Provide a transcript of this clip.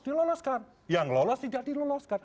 diloloskan yang lolos tidak diloloskan